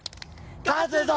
勝つぞ！